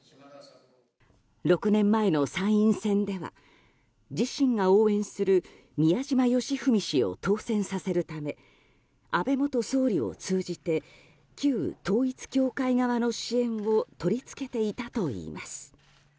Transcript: ６年前の参院選では自身が応援する宮島喜文氏を当選させるため安倍元総理を通じて旧統一教会側の支援を取り付けていたといいます。